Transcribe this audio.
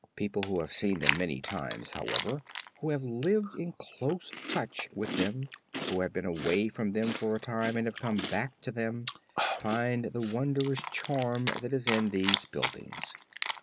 People who have seen them many times, however, who have lived in close touch with them, who have been away from them for a time and have come back to them, find the wondrous charm that is in these buildings.